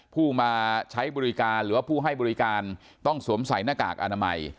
ผู้มาใช้บริการหรือว่าผู้ให้บริการต้องสวมใส่หน้ากากอนามัย